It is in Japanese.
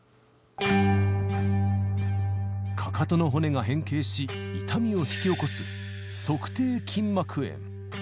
かかとの骨が変形し、痛みを引き起こす、足底筋膜炎。